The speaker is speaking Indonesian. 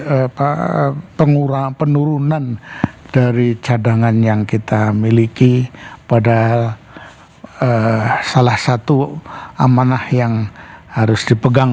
apa penurunan dari cadangan yang kita miliki padahal salah satu amanah yang harus dipegang